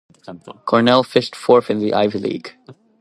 Cornell finished fourth in the Ivy League.